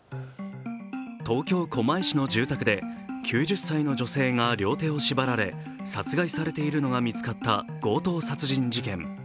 東京・狛江市の住宅で９０歳の女性が両手を縛られ殺害されているのが見つかった強盗殺人事件。